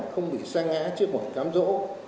không bị sa ngã trước mọi cám dỗ